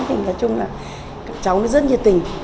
thì nói chung là cháu nó rất nhiệt tình